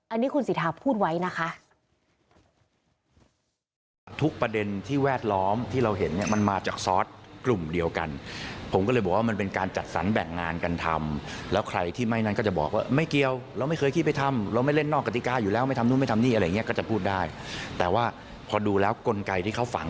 อันนี้คุณสิทธาพูดไว้นะคะ